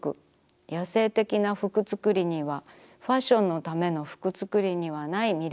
野生的な服つくりにはファッションのための服つくりにはない魅力がありました。